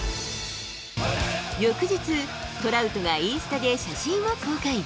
翌日、トラウトがインスタで写真を公開。